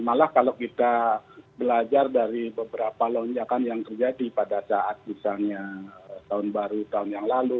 malah kalau kita belajar dari beberapa lonjakan yang terjadi pada saat misalnya tahun baru tahun yang lalu